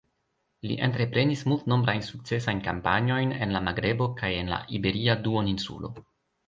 Li entreprenis multnombrajn sukcesajn kampanjojn en la Magrebo kaj en la Iberia duoninsulo.